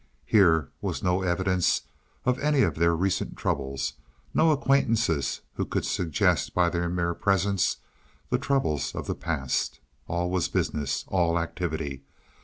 Here was no evidence of any of their recent troubles, no acquaintances who could suggest by their mere presence the troubles of the past. All was business, all activity.